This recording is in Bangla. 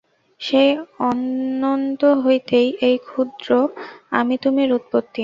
সেই অনন্ত হইতেই এই ক্ষুদ্র আমি-তুমির উৎপত্তি।